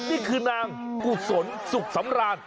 นี่คือนางกุศลสุขสำราญ